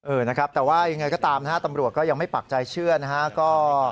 เออนะครับแต่ว่ายังไงก็ตามนะฮะตำรวจก็ยังไม่ปักใจเชื่อนะฮะ